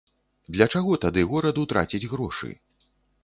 Для чаго тады гораду траціць грошы?